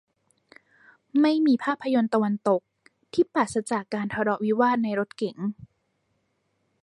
ไม่มีภาพยนตร์ตะวันตกที่ปราศจากการทะเลาะวิวาทในรถเก๋ง